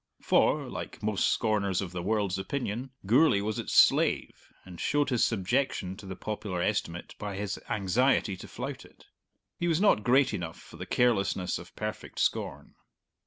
For, like most scorners of the world's opinion, Gourlay was its slave, and showed his subjection to the popular estimate by his anxiety to flout it. He was not great enough for the carelessness of perfect scorn.